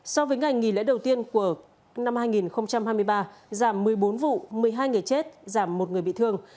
so với ngày nghỉ lễ đầu tiên của năm hai nghìn hai mươi ba giảm một mươi bốn vụ một mươi hai người chết